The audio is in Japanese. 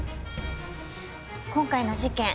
今回の事件